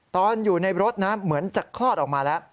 ตอนอยู่ในรถนะเหมือนจะคลอดออกมาแล้ว